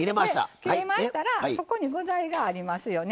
で切れましたらそこに具材がありますよね。